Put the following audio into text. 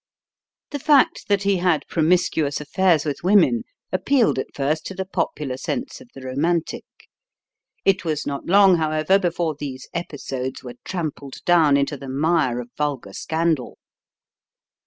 The fact that he had promiscuous affairs with women appealed at first to the popular sense of the romantic. It was not long, however, before these episodes were trampled down into the mire of vulgar scandal.